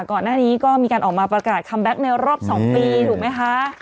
ก่อนหน้านี้ก็มีการออกมาประกาศคัมแบ็คในรอบ๒ปีถูกไหมคะ